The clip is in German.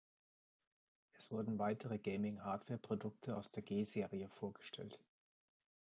Es wurden weitere Gaming-Hardware-Produkte aus der G-Serie vorgestellt.